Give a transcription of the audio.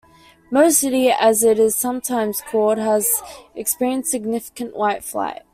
"Mo City", as it is sometimes called, has experienced significant "white flight".